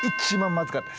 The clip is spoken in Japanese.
まずかった？